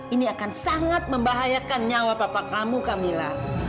ini akan sangat membahayakan nyawa papa kamu camilla